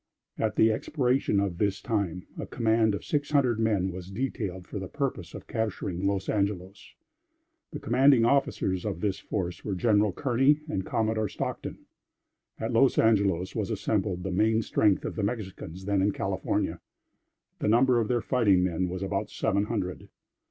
At the expiration of this time, a command of six hundred men was detailed for the purpose of capturing Los Angelos. The commanding officers of this force were General Kearney and Commodore Stockton. At Los Angelos was assembled the main strength of the Mexicans then in California; the number of their fighting men was about seven hundred.